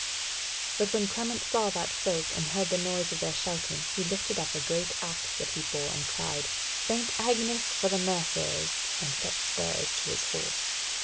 But when Clement saw that folk, and heard the noise of their shouting he lifted up a great axe that he bore and cried, "St. Agnes for the Mercers!" and set spurs to his horse.